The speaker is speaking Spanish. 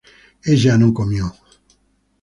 ella no comió